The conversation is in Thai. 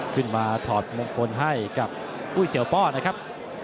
ถอดมงคลให้กับอุ้ยเสียวป้อนะครับ